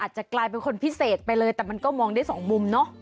จะกลายเป็นคนพิเศษไปเลยแต่มันก็มองได้สองมุมเนอะ